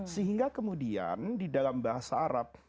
sehingga kemudian di dalam bahasa arab